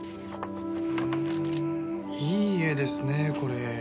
いい絵ですねこれ。